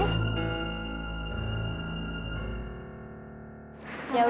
aku tetap selalu